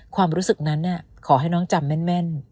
ความรู้สึกนั้นขอให้น้องจำแม่น